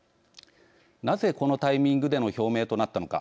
なぜこのタイミングでの表明となったのか。